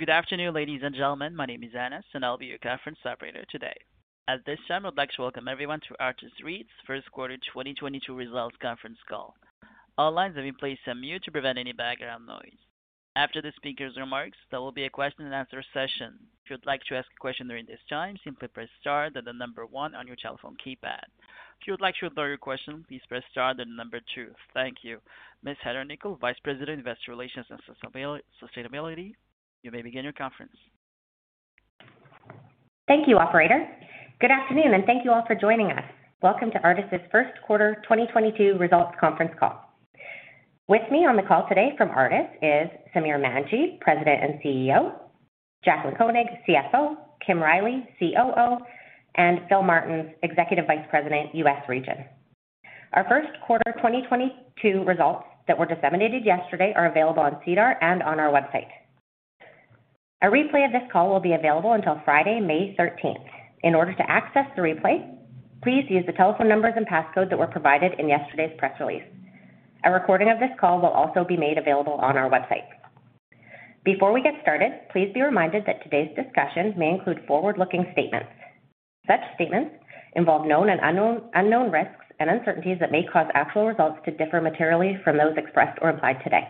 Good afternoon, ladies and gentlemen. My name is Anas, and I'll be your conference operator today. At this time, I'd like to welcome everyone to Artis REIT's first quarter 2022 results conference call. All lines have been placed on mute to prevent any background noise. After the speaker's remarks, there will be a question and answer session. If you'd like to ask a question during this time, simply press star then the number one on your telephone keypad. If you would like to withdraw your question, please press star then the number two. Thank you. Ms. Heather Nikkel, Vice President of Investor Relations and Sustainability, you may begin your conference. Thank you, operator. Good afternoon, and thank you all for joining us. Welcome to Artis' first quarter 2022 results conference call. With me on the call today from Artis is Samir Manji, President and CEO; Jaclyn Koenig, CFO; Kim Riley, COO; and Philip Martens, Executive Vice President, US Region. Our first quarter 2022 results that were disseminated yesterday are available on SEDAR and on our website. A replay of this call will be available until Friday, May 13. In order to access the replay, please use the telephone numbers and passcodes that were provided in yesterday's press release. A recording of this call will also be made available on our website. Before we get started, please be reminded that today's discussion may include forward-looking statements. Such statements involve known and unknown risks and uncertainties that may cause actual results to differ materially from those expressed or implied today.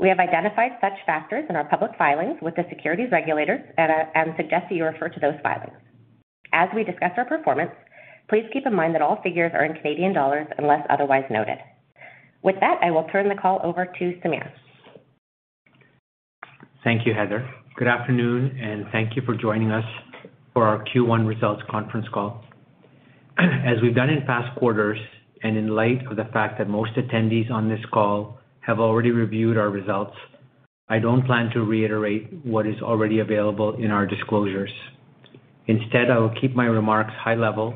We have identified such factors in our public filings with the securities regulators and suggest that you refer to those filings. As we discuss our performance, please keep in mind that all figures are in Canadian dollars unless otherwise noted. With that, I will turn the call over to Samir. Thank you, Heather. Good afternoon, and thank you for joining us for our Q1 results conference call. As we've done in past quarters, and in light of the fact that most attendees on this call have already reviewed our results, I don't plan to reiterate what is already available in our disclosures. Instead, I will keep my remarks high level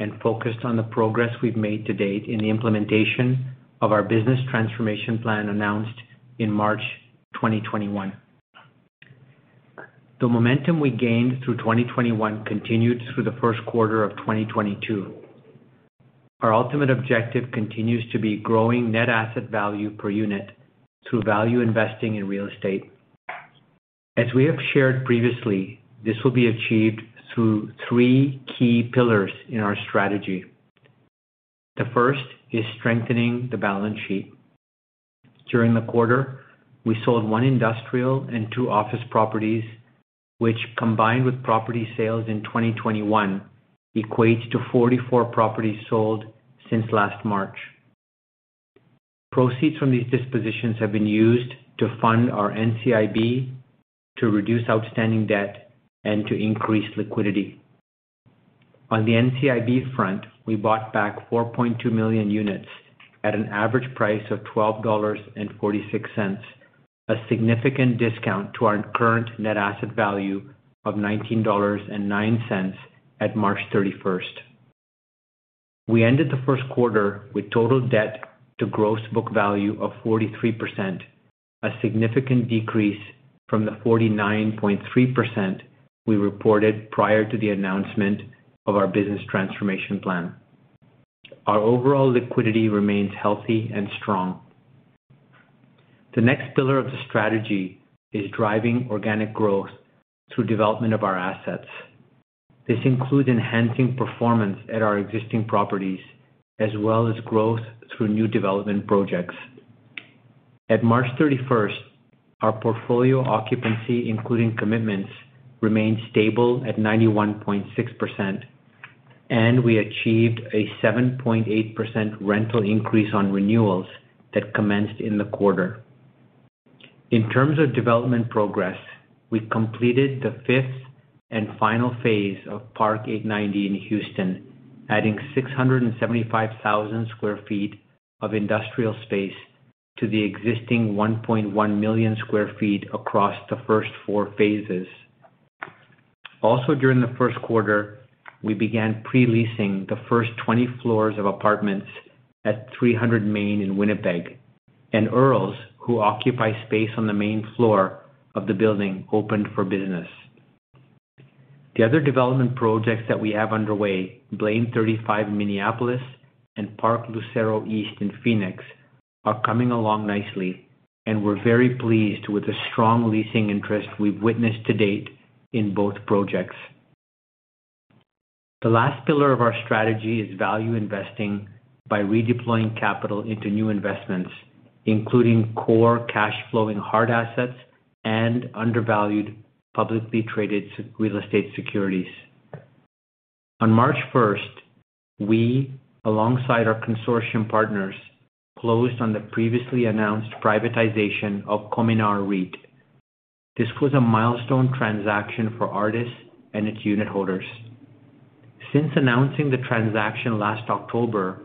and focused on the progress we've made to date in the implementation of our business transformation plan announced in March 2021. The momentum we gained through 2021 continued through the first quarter of 2022. Our ultimate objective continues to be growing net asset value per unit through value investing in real estate. As we have shared previously, this will be achieved through three key pillars in our strategy. The first is strengthening the balance sheet. During the quarter, we sold one industrial and two office properties, which combined with property sales in 2021, equates to 44 properties sold since last March. Proceeds from these dispositions have been used to fund our NCIB to reduce outstanding debt and to increase liquidity. On the NCIB front, we bought back 4.2 million units at an average price of 12.46 dollars, a significant discount to our current net asset value of 19.09 dollars at March 31. We ended the first quarter with total debt to gross book value of 43%, a significant decrease from the 49.3% we reported prior to the announcement of our business transformation plan. Our overall liquidity remains healthy and strong. The next pillar of the strategy is driving organic growth through development of our assets. This includes enhancing performance at our existing properties as well as growth through new development projects. At March 31, our portfolio occupancy, including commitments, remained stable at 91.6%, and we achieved a 7.8% rental increase on renewals that commenced in the quarter. In terms of development progress, we completed the fifth and final phase of Park 8Ninety in Houston, adding 675,000 sq ft of industrial space to the existing 1.1 million sq ft across the first 4 phases. Also, during the first quarter, we began pre-leasing the first 20 floors of apartments at 300 Main in Winnipeg, and Earls, who occupy space on the main floor of the building, opened for business. The other development projects that we have underway, Blaine 35, Minneapolis, and Park Lucero East in Phoenix, are coming along nicely, and we're very pleased with the strong leasing interest we've witnessed to date in both projects. The last pillar of our strategy is value investing by redeploying capital into new investments, including core cash flowing hard assets and undervalued publicly traded real estate securities. On March first, we, alongside our consortium partners, closed on the previously announced privatization of Cominar REIT. This was a milestone transaction for Artis and its unitholders. Since announcing the transaction last October,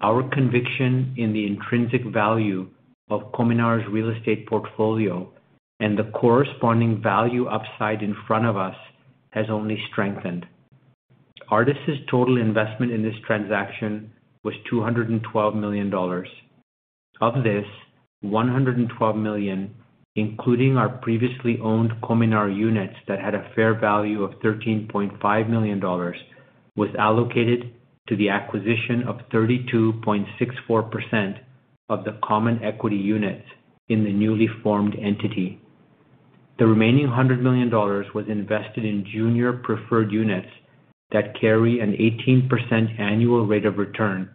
our conviction in the intrinsic value of Cominar's real estate portfolio and the corresponding value upside in front of us has only strengthened. Artis' total investment in this transaction was 212 million dollars. Of this, 112 million, including our previously owned Cominar units that had a fair value of 13.5 million dollars, was allocated to the acquisition of 32.64% of the common equity units in the newly formed entity. The remaining 100 million dollars was invested in junior preferred units that carry an 18% annual rate of return,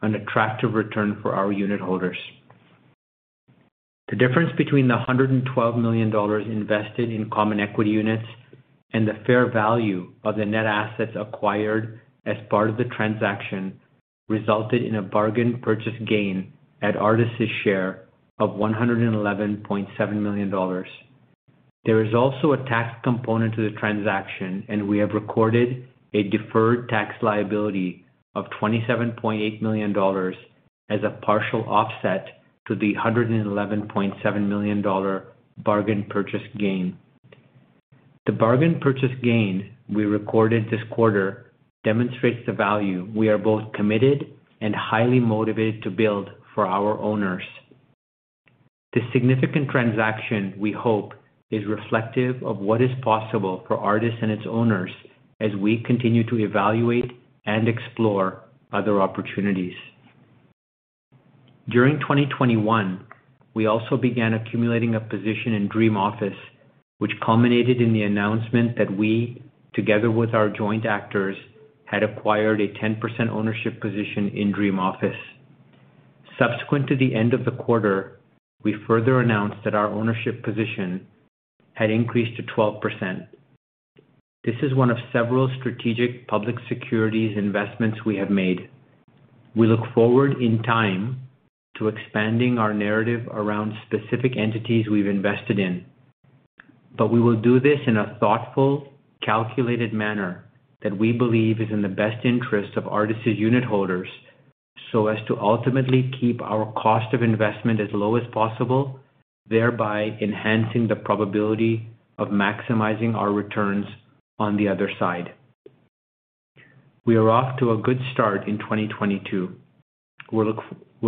an attractive return for our unit holders. The difference between the 112 million dollars invested in common equity units and the fair value of the net assets acquired as part of the transaction resulted in a bargain purchase gain at Artis' share of 111.7 million dollars. There is also a tax component to the transaction, and we have recorded a deferred tax liability of 27.8 million dollars as a partial offset to the 111.7 million dollar bargain purchase gain. The bargain purchase gain we recorded this quarter demonstrates the value we are both committed and highly motivated to build for our owners. The significant transaction, we hope, is reflective of what is possible for Artis and its owners as we continue to evaluate and explore other opportunities. During 2021, we also began accumulating a position in Dream Office, which culminated in the announcement that we, together with our joint actors, had acquired a 10% ownership position in Dream Office. Subsequent to the end of the quarter, we further announced that our ownership position had increased to 12%. This is one of several strategic public securities investments we have made. We look forward in time to expanding our narrative around specific entities we've invested in, but we will do this in a thoughtful, calculated manner that we believe is in the best interest of Artis' unit holders, so as to ultimately keep our cost of investment as low as possible, thereby enhancing the probability of maximizing our returns on the other side. We are off to a good start in 2022. We're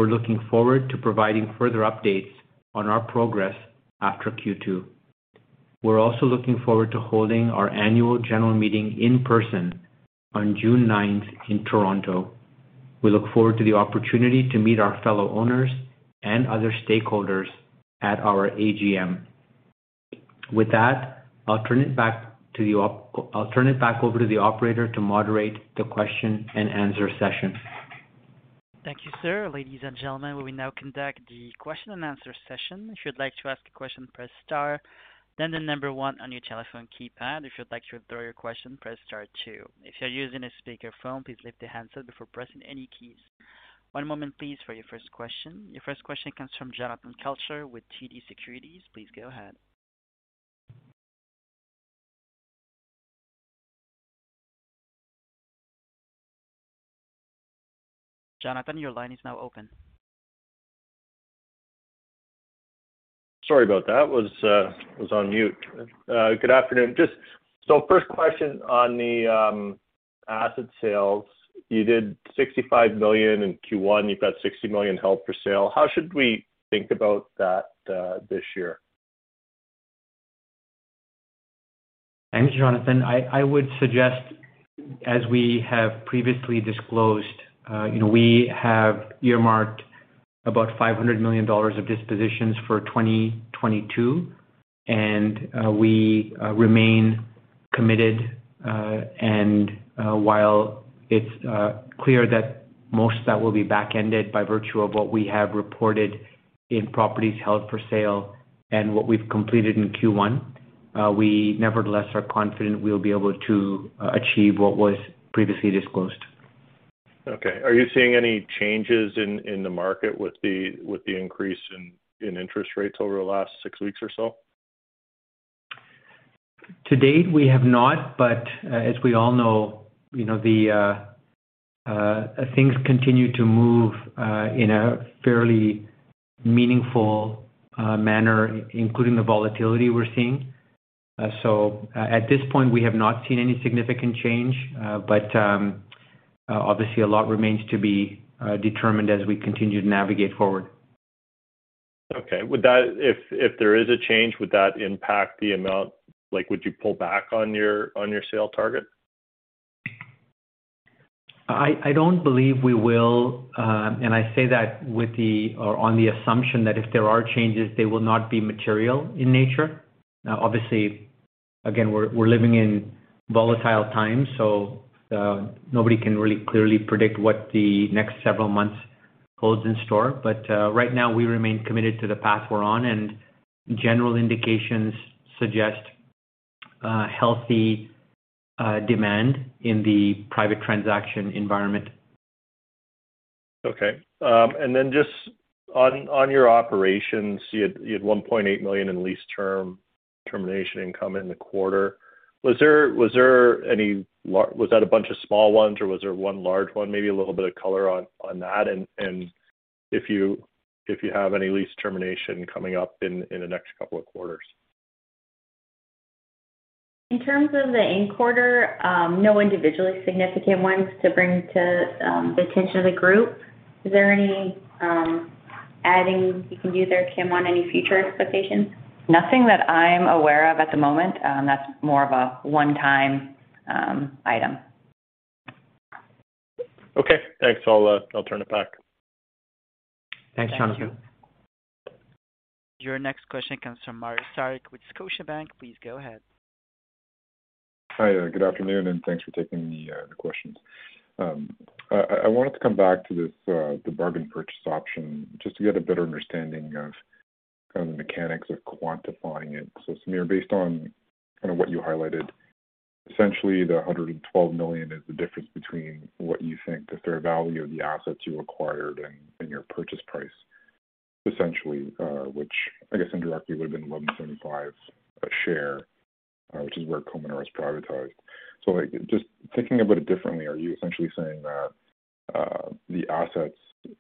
looking forward to providing further updates on our progress after Q2. We're also looking forward to holding our annual general meeting in person on June ninth in Toronto. We look forward to the opportunity to meet our fellow owners and other stakeholders at our AGM. With that, I'll turn it back over to the operator to moderate the question and answer session. Thank you, sir. Ladies and gentlemen, we now conduct the question and answer session. If you'd like to ask a question, press star then the number one on your telephone keypad. If you'd like to withdraw your question, press star two. If you're using a speakerphone, please lift the handset before pressing any keys. One moment please for your first question. Your first question comes from Jonathan Kelcher with TD Securities. Please go ahead. Jonathan, your line is now open. Sorry about that. Was on mute. Good afternoon. Just so first question on the asset sales. You did 65 million in Q1. You've got 60 million held for sale. How should we think about that this year? Thanks, Jonathan. I would suggest, as we have previously disclosed, you know, we have earmarked about 500 million dollars of dispositions for 2022, and we remain committed. While it's clear that most that will be back-ended by virtue of what we have reported in properties held for sale and what we've completed in Q1, we nevertheless are confident we'll be able to achieve what was previously disclosed. Okay. Are you seeing any changes in the market with the increase in interest rates over the last six weeks or so? To date, we have not, but as we all know, you know, the things continue to move in a fairly meaningful manner, including the volatility we're seeing. At this point, we have not seen any significant change, but obviously a lot remains to be determined as we continue to navigate forward. Okay. If there is a change, would that impact the amount? Like, would you pull back on your sale target? I don't believe we will, and I say that on the assumption that if there are changes, they will not be material in nature. Now, obviously, again, we're living in volatile times, so nobody can really clearly predict what the next several months holds in store. Right now we remain committed to the path we're on, and general indications suggest healthy demand in the private transaction environment. Okay. Just on your operations, you had 1.8 million in lease termination income in the quarter. Was that a bunch of small ones, or was there one large one? Maybe a little bit of color on that and if you have any lease termination coming up in the next couple of quarters. In terms of in the quarter, no individually significant ones to bring to the attention of the group. Is there any? You can use their Kim on any future expectations? Nothing that I'm aware of at the moment. That's more of a one-time item. Okay, thanks. I'll turn it back. Thanks, Jonathan. Your next question comes from Mario Saric with Scotiabank. Please go ahead. Hi, good afternoon, and thanks for taking the questions. I wanted to come back to this, the bargain purchase option, just to get a better understanding of kind of the mechanics of quantifying it. Samir, based on kinda what you highlighted, essentially 112 million is the difference between what you think the fair value of the assets you acquired and your purchase price, essentially, which I guess indirectly would have been 11.75 a share, which is where Cominar is privatized. Like, just thinking about it differently, are you essentially saying that the assets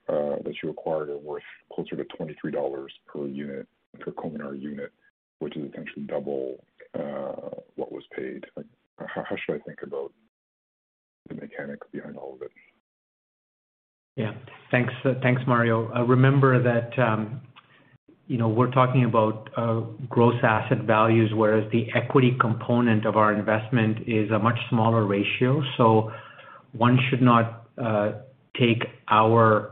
that you acquired are worth closer to 23 dollars per unit, per Cominar unit, which is essentially double what was paid? Like, how should I think about the mechanics behind all of it? Yeah. Thanks. Thanks, Mario. Remember that, you know, we're talking about gross asset values, whereas the equity component of our investment is a much smaller ratio. One should not take our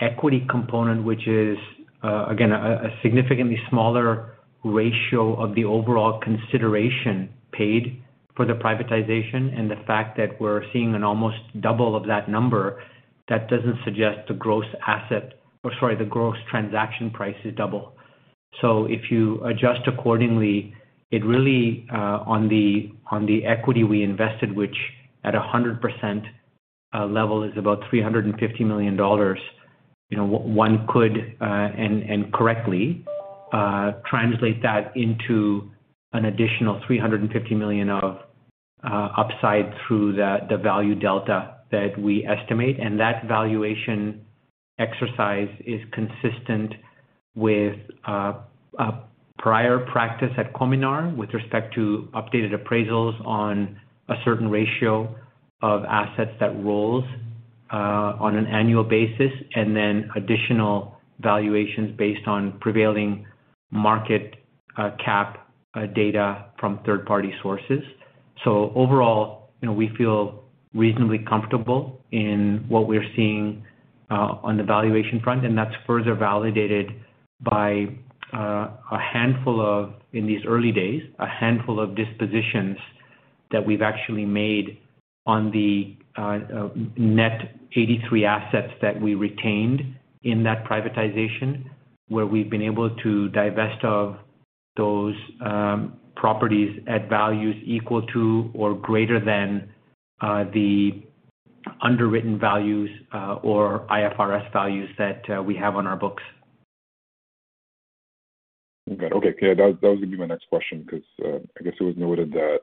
equity component, which is again a significantly smaller ratio of the overall consideration paid for the privatization and the fact that we're seeing an almost double of that number, that doesn't suggest the gross transaction price is double. If you adjust accordingly, it really on the equity we invested, which at 100% level is about 350 million dollars, you know, one could and correctly translate that into an additional 350 million of upside through the value delta that we estimate. That valuation exercise is consistent with a prior practice at Cominar with respect to updated appraisals on a certain ratio of assets that rolls on an annual basis, and then additional valuations based on prevailing market cap data from third-party sources. Overall, you know, we feel reasonably comfortable in what we're seeing on the valuation front, and that's further validated by a handful of dispositions that we've actually made on the net 83 assets that we retained in that privatization, where we've been able to divest of those properties at values equal to or greater than the underwritten values or IFRS values that we have on our books. Okay. That was gonna be my next question because I guess it was noted that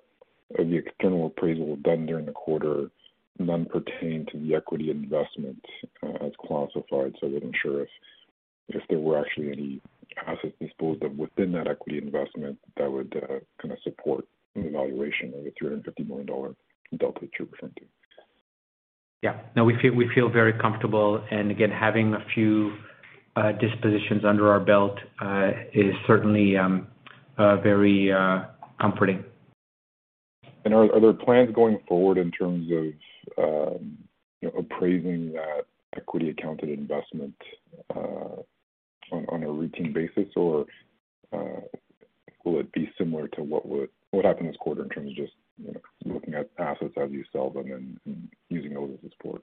the external appraisal done during the quarter, none pertained to the equity investment, as classified. I would inquire if there were actually any assets disposed of within that equity investment that would kind of support an evaluation of a $350 million delta that you're presenting. Yeah. No, we feel very comfortable. Again, having a few dispositions under our belt is certainly very comforting. Are there plans going forward in terms of appraising that equity accounted investment on a routine basis? Or, will it be similar to what happened this quarter in terms of just, you know, looking at assets as you sell them and using those as support?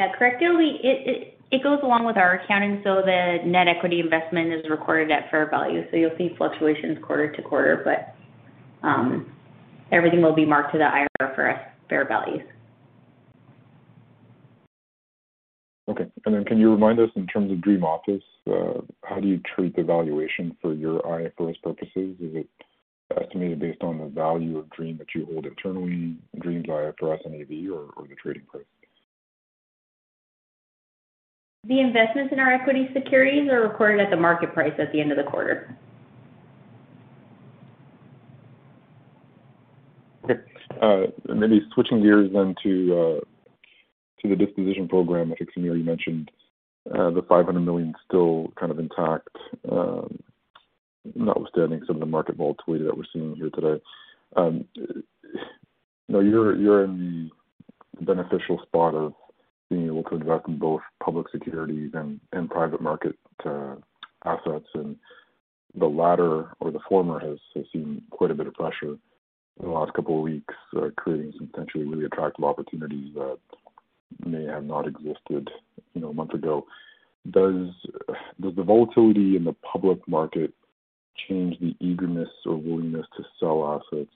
Yeah. Correct. It goes along with our accounting. The net equity investment is recorded at fair value. You'll see fluctuations quarter to quarter, but everything will be marked to the IFRS for fair values. Okay. Can you remind us in terms of Dream Office, how do you treat the valuation for your IFRS purposes? Is it estimated based on the value of Dream that you hold internally, Dream's IFRS NAV or the trading price? The investments in our equity securities are recorded at the market price at the end of the quarter. Okay. Maybe switching gears then to the disposition program, which Samir, you mentioned, the 500 million still kind of intact, notwithstanding some of the market volatility that we're seeing here today. You know, you're in the beneficial spot of being able to invest in both public securities and private market assets. The latter or the former has seen quite a bit of pressure in the last couple of weeks, creating some potentially really attractive opportunities that may have not existed, you know, a month ago. Does the volatility in the public market change the eagerness or willingness to sell assets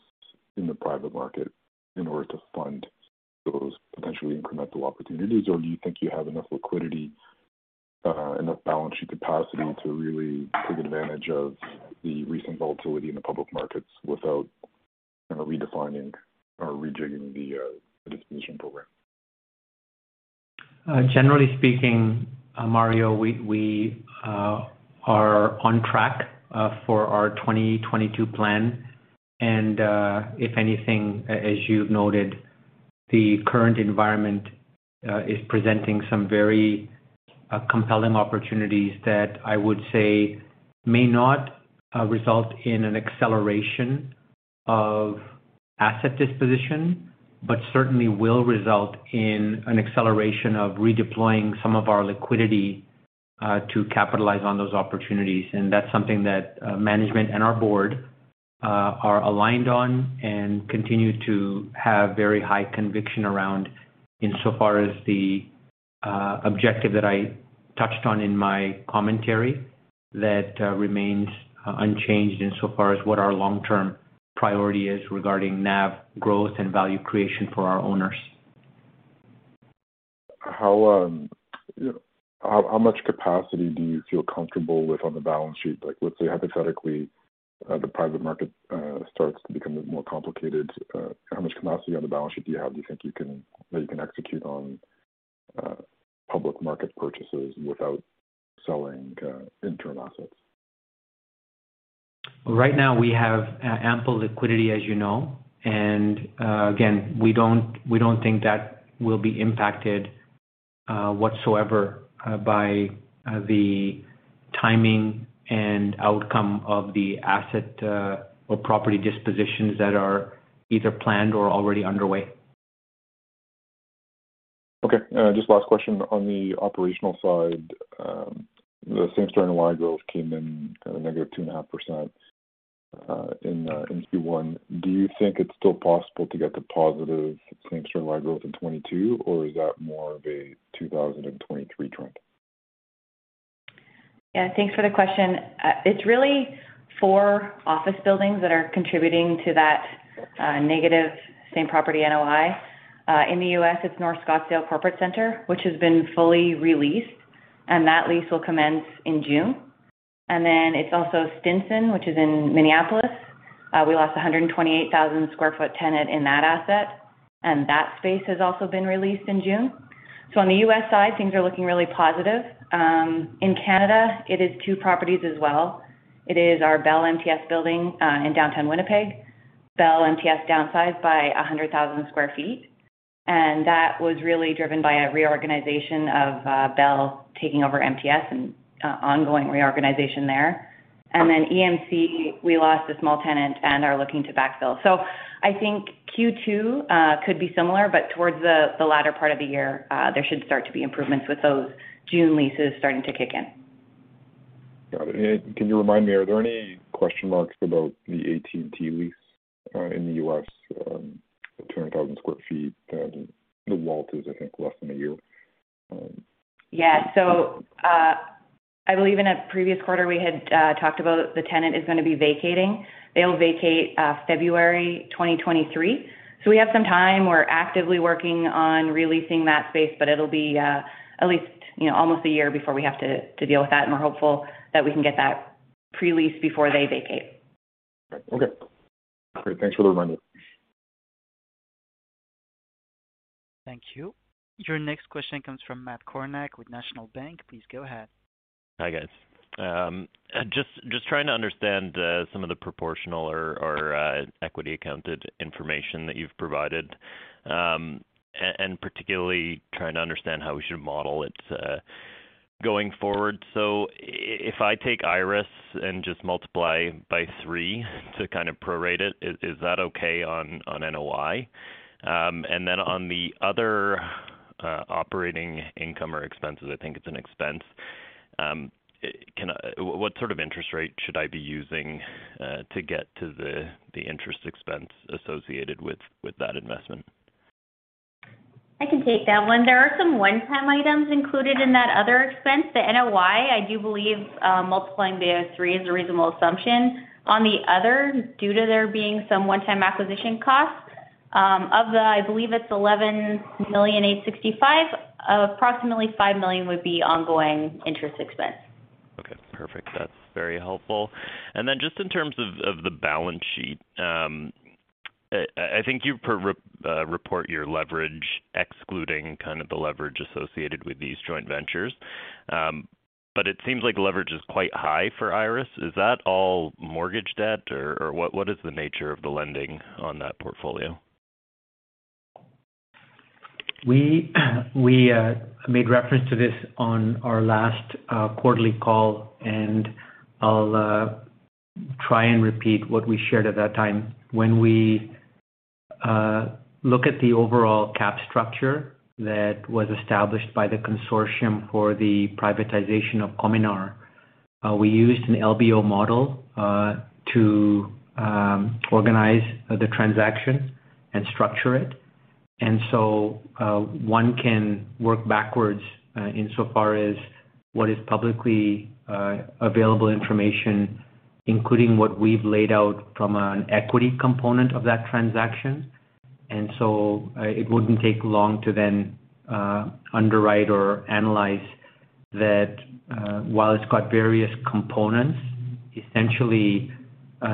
in the private market in order to fund those potentially incremental opportunities? Do you think you have enough liquidity, enough balance sheet capacity to really take advantage of the recent volatility in the public markets without kind of redefining or rejigging the disposition program? Generally speaking, Mario, we are on track for our 2022 plan. If anything, as you've noted, the current environment is presenting some very compelling opportunities that I would say may not result in an acceleration of asset disposition, but certainly will result in an acceleration of redeploying some of our liquidity to capitalize on those opportunities. That's something that management and our board are aligned on and continue to have very high conviction around insofar as the objective that I touched on in my commentary that remains unchanged insofar as what our long-term priority is regarding NAV growth and value creation for our owners. How much capacity do you feel comfortable with on the balance sheet? Like, let's say hypothetically, the private market starts to become more complicated, how much capacity on the balance sheet that you can execute on public market purchases without selling interim assets? Right now we have ample liquidity as you know. Again, we don't think that will be impacted whatsoever by the timing and outcome of the asset or property dispositions that are either planned or already underway. Okay. Just last question. On the operational side, the same-store NOI growth came in negative 2.5% in Q1. Do you think it's still possible to get the positive same-store NOI growth in 2022, or is that more of a 2023 trend? Yeah. Thanks for the question. It's really four office buildings that are contributing to that negative same-property NOI. In the U.S., it's North Scottsdale Corporate Center, which has been fully re-leased, and that lease will commence in June. It's also Stinson, which is in Minneapolis. We lost 128,000 sq ft tenant in that asset, and that space has also been re-leased in June. On the U.S. side, things are looking really positive. In Canada, it is two properties as well. It is our Bell MTS building in downtown Winnipeg. Bell MTS downsized by 100,000 sq ft, and that was really driven by a reorganization of Bell taking over MTS and ongoing reorganization there. EMC, we lost a small tenant and are looking to backfill. I think Q2 could be similar, but towards the latter part of the year, there should start to be improvements with those June leases starting to kick in. Got it. Can you remind me, are there any question marks about the AT&T lease in the U.S., the 200,000 sq ft tenant? The term is, I think, less than a year. Yeah. I believe in a previous quarter, we had talked about the tenant is gonna be vacating. They'll vacate February 2023. We have some time. We're actively working on re-leasing that space, but it'll be at least, you know, almost a year before we have to deal with that. We're hopeful that we can get that pre-leased before they vacate. Okay. Great. Thanks for the reminder. Thank you. Your next question comes from Matt Kornack with National Bank. Please go ahead. Hi, guys. Just trying to understand some of the proportional or equity accounted information that you've provided. And particularly trying to understand how we should model it going forward. If I take IRIS and just multiply by three to kind of prorate it, is that okay on NOI? And then on the other operating income or expenses, I think it's an expense. What sort of interest rate should I be using to get to the interest expense associated with that investment? I can take that one. There are some one-time items included in that other expense. The NOI, I do believe, multiplying by three is a reasonable assumption. On the other, due to there being some one-time acquisition costs, of the, I believe it's 11.865 million, approximately 5 million would be ongoing interest expense. Okay. Perfect. That's very helpful. Then just in terms of the balance sheet, I think you report your leverage excluding kind of the leverage associated with these joint ventures. But it seems like leverage is quite high for IRIS. Is that all mortgage debt or what is the nature of the lending on that portfolio? We made reference to this on our last quarterly call, and I'll try and repeat what we shared at that time. When we look at the overall cap structure that was established by the consortium for the privatization of Cominar, we used an LBO model to organize the transaction and structure it. One can work backwards insofar as what is publicly available information, including what we've laid out from an equity component of that transaction. It wouldn't take long to then underwrite or analyze that, while it's got various components. Essentially,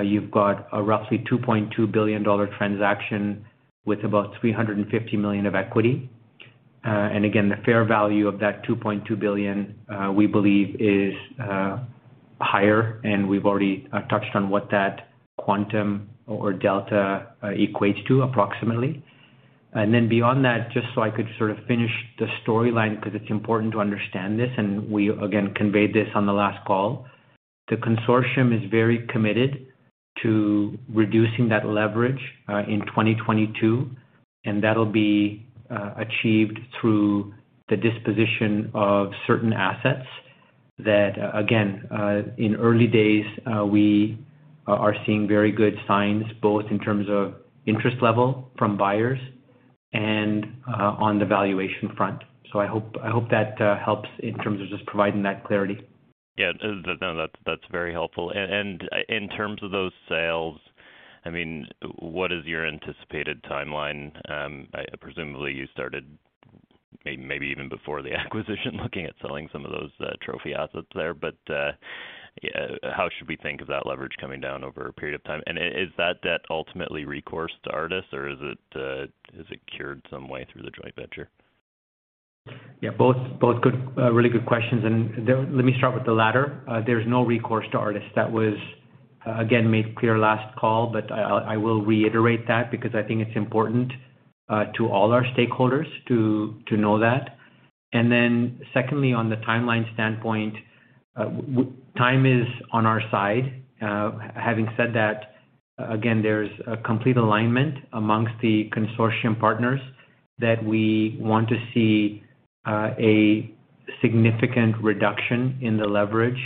you've got a roughly 2.2 billion dollar transaction with about 350 million of equity. Again, the fair value of that 2.2 billion we believe is higher, and we've already touched on what that quantum or delta equates to approximately. Then beyond that, just so I could sort of finish the storyline because it's important to understand this, and we again conveyed this on the last call. The consortium is very committed to reducing that leverage in 2022, and that'll be achieved through the disposition of certain assets that, again, in early days, we are seeing very good signs both in terms of interest level from buyers and on the valuation front. I hope that helps in terms of just providing that clarity. Yeah. No, that's very helpful. In terms of those sales, I mean, what is your anticipated timeline? Presumably, you started maybe even before the acquisition looking at selling some of those trophy assets there. Yeah, how should we think of that leverage coming down over a period of time? Is that debt ultimately recourse to Artis or is it cured some way through the joint venture? Yeah, both good, really good questions. Let me start with the latter. There's no recourse to Artis. That was, again, made clear last call, but I will reiterate that because I think it's important to all our stakeholders to know that. Then secondly, on the timeline standpoint, time is on our side. Having said that, again, there's a complete alignment amongst the consortium partners that we want to see a significant reduction in the leverage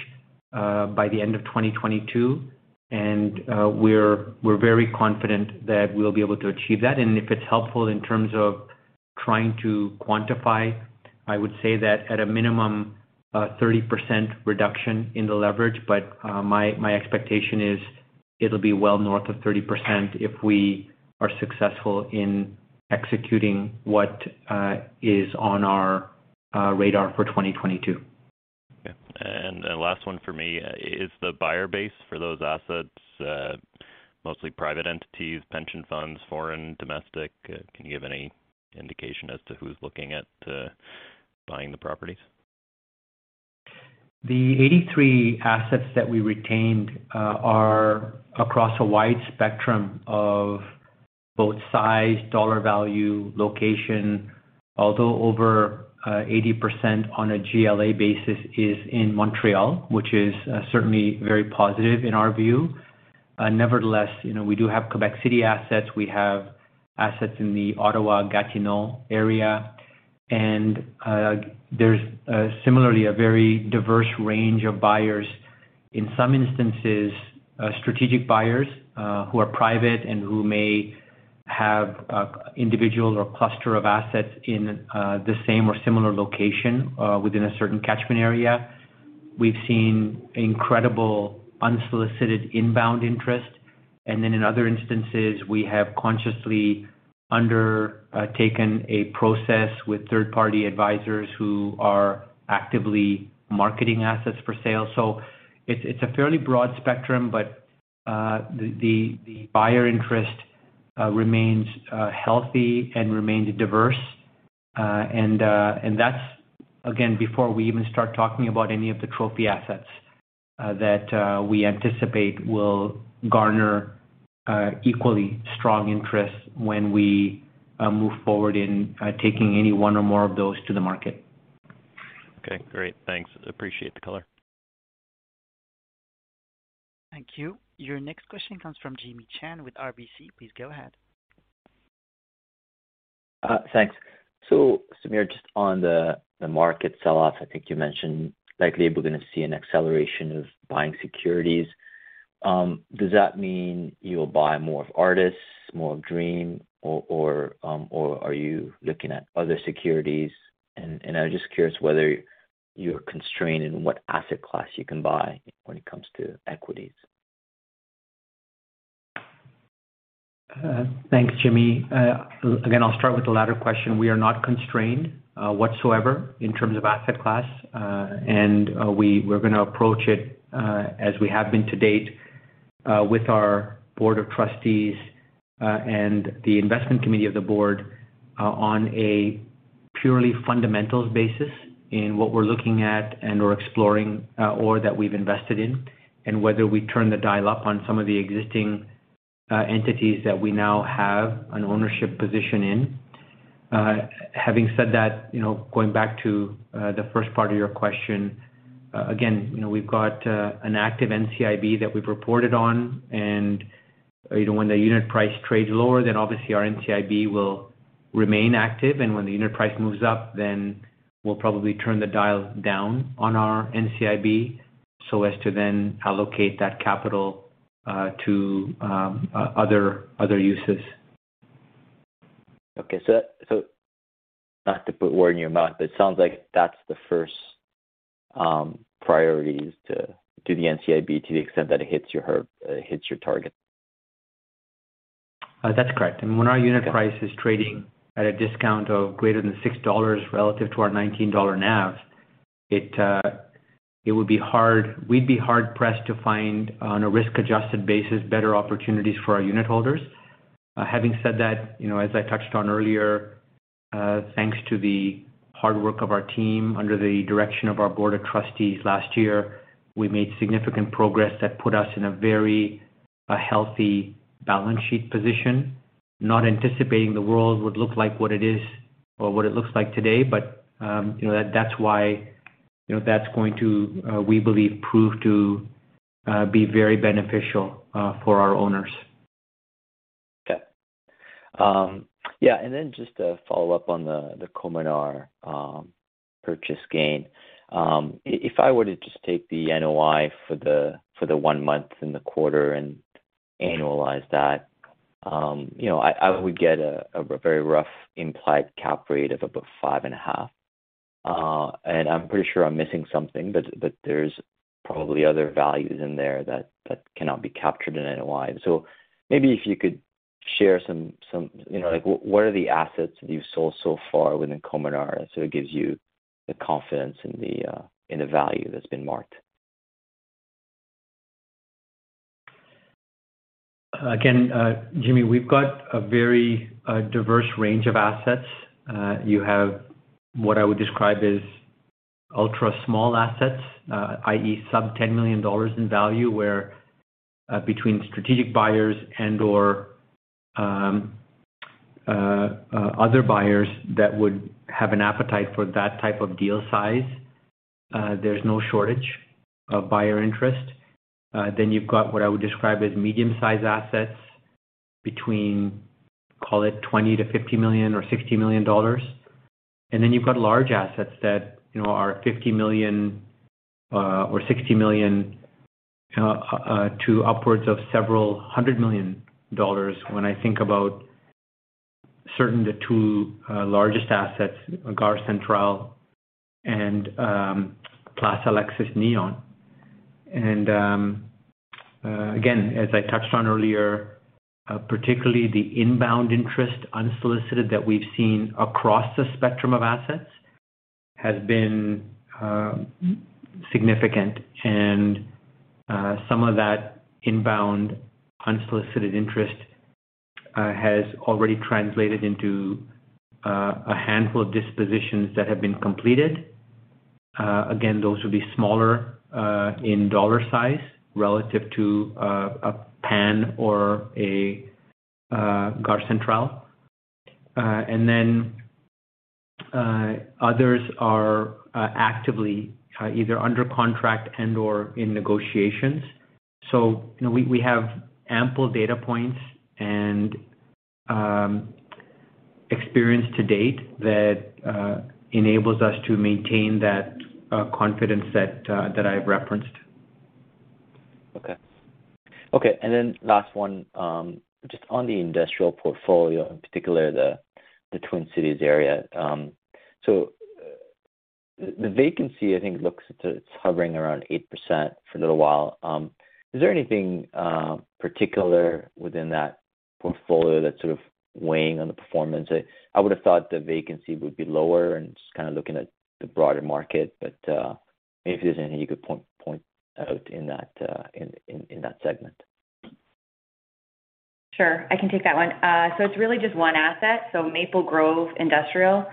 by the end of 2022. We're very confident that we'll be able to achieve that. If it's helpful in terms of trying to quantify, I would say that at a minimum, 30% reduction in the leverage, but my expectation is it'll be well north of 30% if we are successful in executing what is on our radar for 2022. Yeah. Last one for me. Is the buyer base for those assets, mostly private entities, pension funds, foreign, domestic? Can you give any indication as to who's looking at, buying the properties? The 83 assets that we retained are across a wide spectrum of both size, dollar value, location. Although over 80% on a GLA basis is in Montreal, which is certainly very positive in our view. Nevertheless, you know, we do have Quebec City assets, we have assets in the Ottawa-Gatineau area, and there's similarly a very diverse range of buyers. In some instances, strategic buyers who are private and who may have individual or cluster of assets in the same or similar location within a certain catchment area. We've seen incredible unsolicited inbound interest. In other instances, we have consciously undertaken a process with third-party advisors who are actively marketing assets for sale. It's a fairly broad spectrum, but the buyer interest remains healthy and remains diverse. That's again, before we even start talking about any of the trophy assets that we anticipate will garner equally strong interest when we move forward in taking any one or more of those to the market. Okay, great. Thanks. Appreciate the color. Thank you. Your next question comes from Jimmy Shan with RBC. Please go ahead. Samir, just on the market sell-off, I think you mentioned likely we're gonna see an acceleration of buying securities. Does that mean you'll buy more of Artis, more of Dream or are you looking at other securities? I'm just curious whether you're constrained in what asset class you can buy when it comes to equities. Thanks, Jimmy. Again, I'll start with the latter question. We are not constrained whatsoever in terms of asset class. We're gonna approach it, as we have been to date, with our board of trustees, and the investment committee of the board, on a purely fundamentals basis in what we're looking at and/or exploring, or that we've invested in, and whether we turn the dial up on some of the existing, entities that we now have an ownership position in. Having said that, you know, going back to the first part of your question, again, you know, we've got an active NCIB that we've reported on. You know, when the unit price trades lower, then obviously our NCIB will remain active. When the unit price moves up, then we'll probably turn the dial down on our NCIB so as to then allocate that capital to other uses. Not to put words in your mouth, but it sounds like that's the first priority is to do the NCIB to the extent that it hits your target. That's correct. I mean, when our unit price is trading at a discount of greater than 6 dollars relative to our 19 dollar NAV, it would be hard. We'd be hard pressed to find on a risk-adjusted basis, better opportunities for our unitholders. Having said that, you know, as I touched on earlier, thanks to the hard work of our team under the direction of our board of trustees last year, we made significant progress that put us in a very healthy balance sheet position, not anticipating the world would look like what it is or what it looks like today. You know, that's why, you know, that's going to, we believe, prove to be very beneficial for our owners. Okay. Yeah. Then just to follow up on the Cominar purchase gain. If I were to just take the NOI for the one month in the quarter and annualize that, you know, I would get a very rough implied cap rate of about 5.5%. I'm pretty sure I'm missing something, but there's probably other values in there that cannot be captured in NOI. Maybe if you could share some, you know, like what are the assets that you've sold so far within Cominar, so it gives you the confidence in the value that's been marked. Again, Jimmy, we've got a very diverse range of assets. You have what I would describe as ultra small assets, i.e., some 10 million dollars in value, where, between strategic buyers and/or, other buyers that would have an appetite for that type of deal size, there's no shortage of buyer interest. You've got what I would describe as medium-size assets between, call it 20 million-50 million or 60 million dollars. You've got large assets that, you know, are 50 million or 60 million to upwards of several hundred million dolars when I think about certain of the two largest assets, Gare Centrale and, Place Alexis Nihon. Again, as I touched on earlier, particularly the inbound interest unsolicited that we've seen across the spectrum of assets has been significant. Some of that inbound unsolicited interest has already translated into a handful of dispositions that have been completed. Again, those will be smaller in dollar size relative to a PAN or a Gare Centrale. Others are actively either under contract and/or in negotiations. You know, we have ample data points and experience to date that enables us to maintain that confidence that I've referenced. Okay. Okay, last one, just on the industrial portfolio, in particular, the Twin Cities area. The vacancy, I think, looks like it's hovering around 8% for a little while. Is there anything particular within that portfolio that's sort of weighing on the performance? I would have thought the vacancy would be lower and just kinda looking at the broader market. Maybe if there's anything you could point out in that segment. Sure. I can take that one. It's really just one asset, Maple Grove Industrial.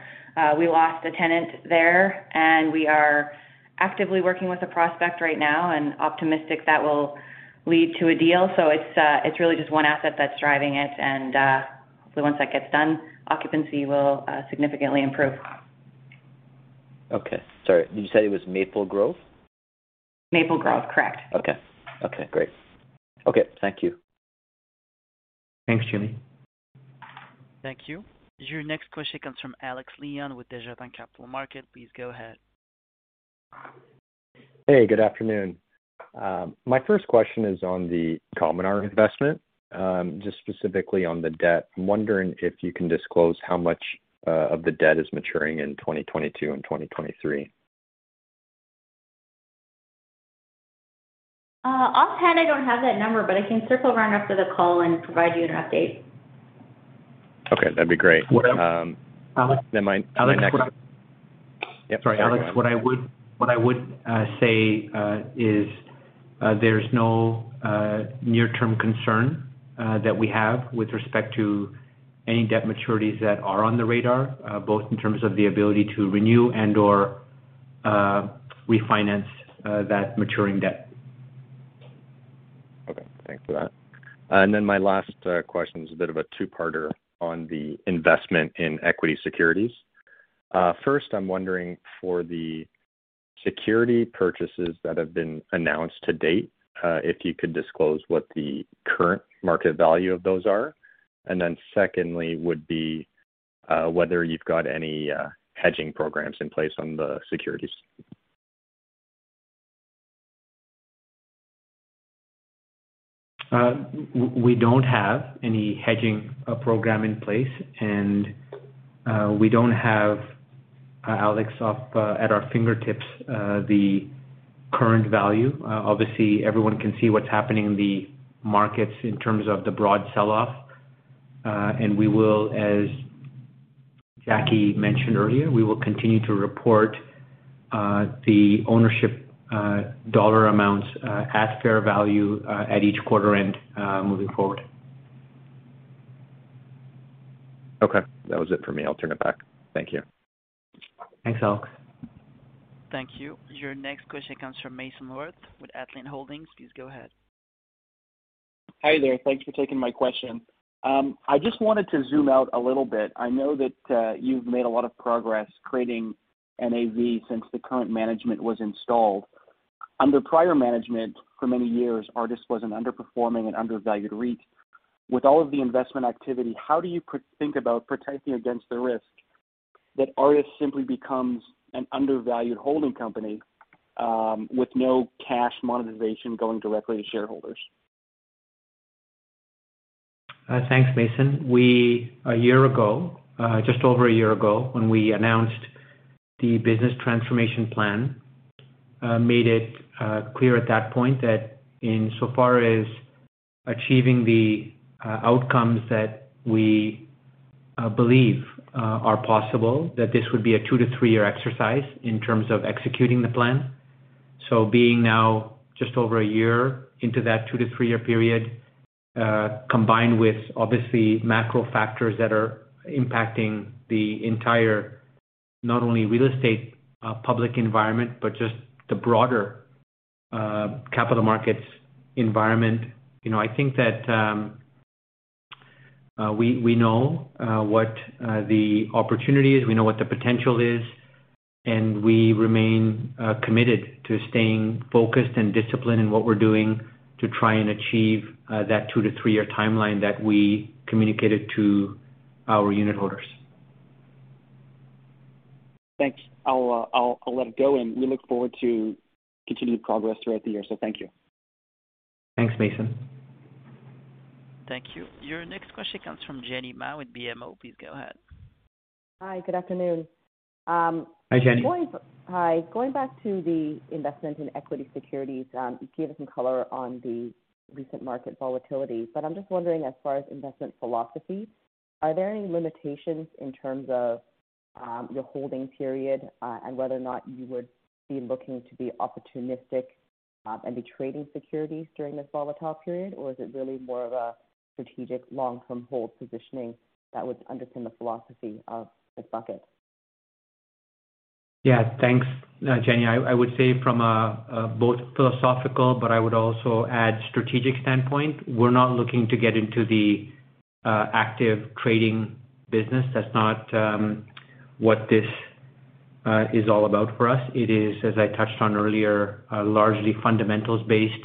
We lost a tenant there, and we are actively working with a prospect right now and optimistic that will lead to a deal. It's really just one asset that's driving it. Hopefully once that gets done, occupancy will significantly improve. Okay. Sorry, did you say it was Maple Grove? Maple Grove, correct. Okay. Okay, great. Okay. Thank you. Thanks, Jimmy. Thank you. Your next question comes from Alex Leon with Desjardins Capital Markets. Please go ahead. Hey, good afternoon. My first question is on the Cominar investment, just specifically on the debt. I'm wondering if you can disclose how much of the debt is maturing in 2022 and 2023. Offhand, I don't have that number, but I can circle around after the call and provide you an update. Okay, that'd be great. What I-. Um-. Alex-. My next. Alex, what I-. Yeah. Sorry, Alex, what I would say is, there's no near-term concern that we have with respect to any debt maturities that are on the radar, both in terms of the ability to renew and/or refinance that maturing debt. Okay. Thanks for that. My last question is a bit of a two-parter on the investment in equity securities. First, I'm wondering for the security purchases that have been announced to date, if you could disclose what the current market value of those are. Secondly would be, whether you've got any, hedging programs in place on the securities. We don't have any hedging program in place, and we don't have, Alex, at our fingertips the current value. Obviously, everyone can see what's happening in the markets in terms of the broad sell-off. As Jackie mentioned earlier, we will continue to report the ownership dollar amounts at fair value at each quarter end moving forward. Okay, that was it for me. I'll turn it back. Thank you. Thanks, Alex. Thank you. Your next question comes from Mason Roth with Atlas Holdings. Please go ahead. Hi there. Thanks for taking my question. I just wanted to zoom out a little bit. I know that you've made a lot of progress creating NAV since the current management was installed. Under prior management, for many years, Artis was an underperforming and undervalued REIT. With all of the investment activity, how do you think about protecting against the risk that Artis simply becomes an undervalued holding company with no cash monetization going directly to shareholders? Thanks, Mason. Just over a year ago, when we announced the business transformation plan, we made it clear at that point that insofar as achieving the outcomes that we believe are possible, this would be a two to three-year exercise in terms of executing the plan. Being now just over a year into that two to three-year period, combined with obviously macro factors that are impacting the entire, not only real estate public environment, but just the broader capital markets environment. You know, I think that we know what the opportunity is, we know what the potential is, and we remain committed to staying focused and disciplined in what we're doing to try and achieve that two to three-year timeline that we communicated to our unit holders. Thanks. I'll let it go. We look forward to continued progress throughout the year. Thank you. Thanks, Mason. Thank you. Your next question comes from Jenny Ma with BMO. Please go ahead. Hi, good afternoon. Hi, Jenny. Going back to the investment in equity securities, you gave us some color on the recent market volatility, but I'm just wondering, as far as investment philosophy, are there any limitations in terms of, your holding period, and whether or not you would be looking to be opportunistic, and be trading securities during this volatile period, or is it really more of a strategic long-term hold positioning that would underpin the philosophy of this bucket? Yeah. Thanks, Jenny. I would say from a both philosophical, but I would also add strategic standpoint, we're not looking to get into the active trading business. That's not what this is all about for us. It is, as I touched on earlier, largely fundamentals based.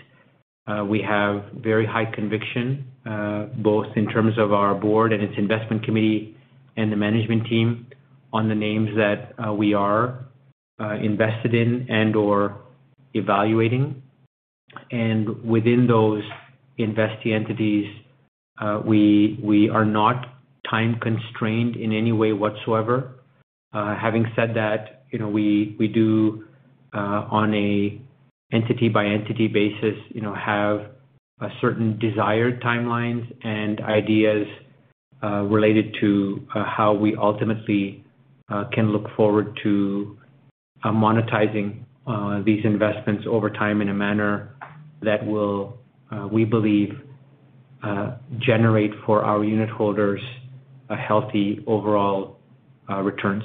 We have very high conviction both in terms of our board and its investment committee and the management team on the names that we are invested in and/or evaluating. Within those investee entities, we are not time constrained in any way whatsoever. Having said that, you know, we do on an entity-by-entity basis, you know, have a certain desired timelines and ideas related to how we ultimately can look forward to monetizing these investments over time in a manner that will, we believe, generate for our unit holders a healthy overall returns.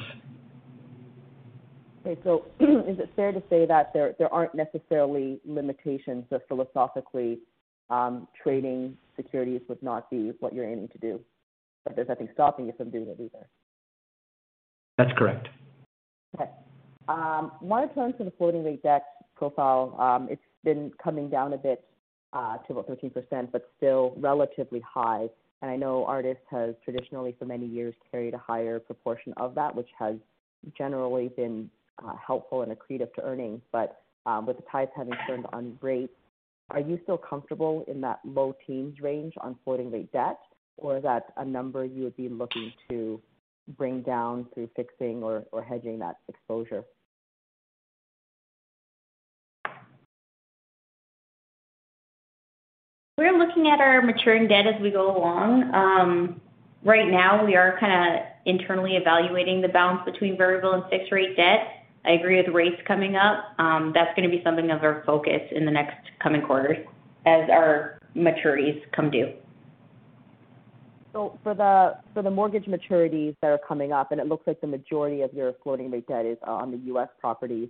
Okay. Is it fair to say that there aren't necessarily limitations, just philosophically, trading securities would not be what you're aiming to do, but there's nothing stopping you from doing it either? That's correct. Okay. Wanna turn to the floating rate debt profile. It's been coming down a bit to about 13%, but still relatively high. I know Artis has traditionally for many years carried a higher proportion of that, which has generally been helpful and accretive to earnings. With the tide's having turned on rates, are you still comfortable in that low teens range on floating rate debt, or is that a number you would be looking to bring down through fixing or hedging that exposure? We're looking at our maturing debt as we go along. Right now, we are kinda internally evaluating the balance between variable and fixed rate debt. I agree with rates coming up. That's gonna be something of our focus in the next coming quarters as our maturities come due. For the mortgage maturities that are coming up, and it looks like the majority of your floating rate debt is on the U.S. properties,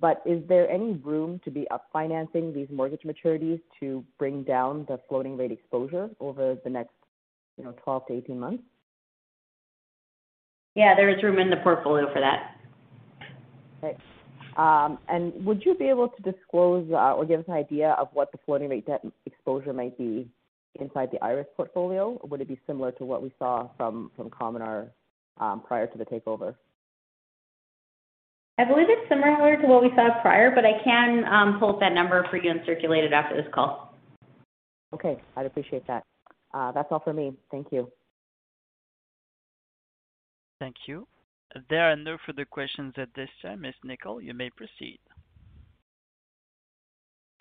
but is there any room to refinance these mortgage maturities to bring down the floating rate exposure over the next, you know, 12-18 months? Yeah, there is room in the portfolio for that. Okay. Would you be able to disclose, or give us an idea of what the floating rate debt exposure might be inside the Artis portfolio, or would it be similar to what we saw from Cominar, prior to the takeover? I believe it's similar to what we saw prior, but I can pull up that number for you and circulate it after this call. Okay, I'd appreciate that. That's all for me. Thank you. Thank you. There are no further questions at this time. Jaclyn, you may proceed.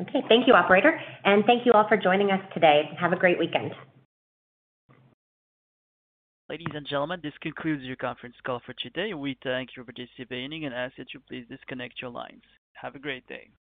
Okay. Thank you, operator, and thank you all for joining us today. Have a great weekend. Ladies and gentlemen, this concludes your conference call for today. We thank you for participating and ask that you please disconnect your lines. Have a great day.